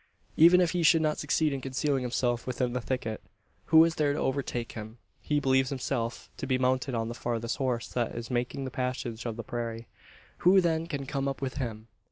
Even if he should not succeed in concealing himself within the thicket, who is there to overtake him? He believes himself to be mounted on the fastest horse that is making the passage of the prairie. Who, then, can come up with him?